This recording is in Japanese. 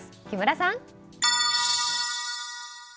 木村さん。